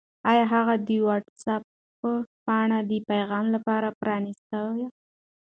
آیا هغه د وټس-اپ پاڼه د پیغام لپاره پرانستې وه؟